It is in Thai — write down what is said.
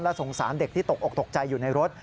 สงสารเด็กที่ตกออกตกใจอยู่ในรถ